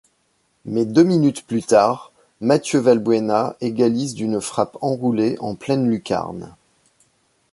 Mais deux minutes plus tard, Mathieu Valbuena égalise d'une frappe enroulée en pleine lucarne.